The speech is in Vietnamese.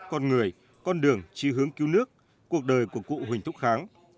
con người con đường chi hướng cứu nước cuộc đời của cụ huỳnh thúc kháng